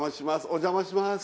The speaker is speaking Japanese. お邪魔します